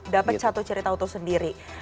dapat satu cerita utuh sendiri